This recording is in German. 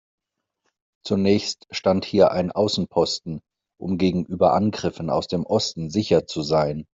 Zunächst stand hier ein Außenposten, um gegenüber Angriffen aus dem Osten sicher zu sein.